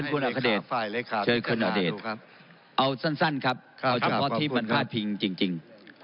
เชิญคุณอัคเดชเอาสั้นครับเพราะว่าที่มันพลาดพิงจริง